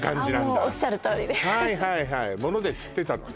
ああもうおっしゃるとおりではいはいはいもので釣ってたのね